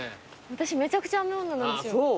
私めちゃくちゃ雨女なんですよ。